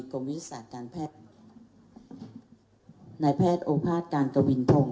วิทยาศาสตร์การแพทย์นายแพทย์โอภาษการกวินพงศ